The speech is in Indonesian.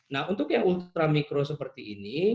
nah untuk yang ultra mikro seperti ini